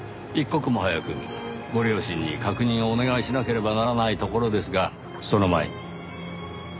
一刻も早くご両親に確認をお願いしなければならないところですがその前に。